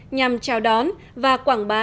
nhằm trao đón và quảng bá